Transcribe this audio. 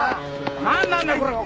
何なんだこれは！